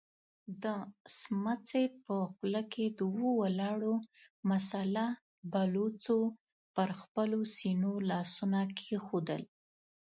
د سمڅې په خوله کې دوو ولاړو مسلح بلوڅو پر خپلو سينو لاسونه کېښودل.